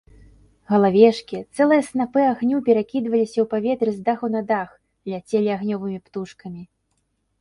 Галавешкі, цэлыя снапы агню перакідваліся ў паветры з даху на дах, ляцелі агнёвымі птушкамі.